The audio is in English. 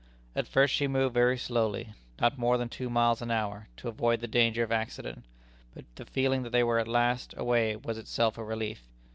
At first she moved very slowly, not more than two miles an hour, to avoid the danger of accident; but the feeling that they were at last away was itself a relief.